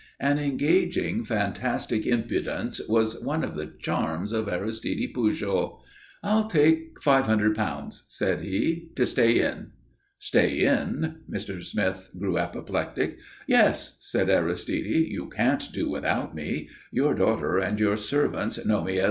An engaging, fantastic impudence was one of the charms of Aristide Pujol. "I'll take five hundred pounds," said he, "to stay in." "Stay in?" Mr. Smith grew apoplectic. "Yes," said Aristide. "You can't do without me. Your daughter and your servants know me as M.